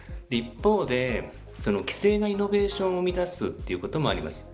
一方で、規制がイノベーションを生み出すこともあります。